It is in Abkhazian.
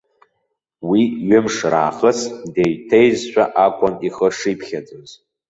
Уи ҩымш раахыс деиҭеизшәа акәын ихы шиԥхьаӡоз.